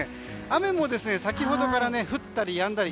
雨も先ほどから降ったりやんだり。